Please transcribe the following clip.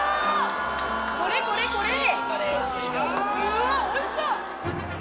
うわおいしそう！